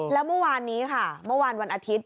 แล้วเมื่อวานนี้ค่ะเมื่อวานวันอาทิตย์